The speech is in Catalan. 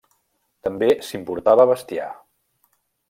També s'importava bestiar.